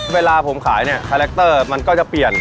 เวลาผมขายเนี่ยคาแรคเตอร์มันก็จะเปลี่ยน